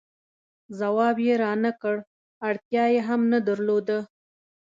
ځواب یې را نه کړ، اړتیا یې هم نه درلوده.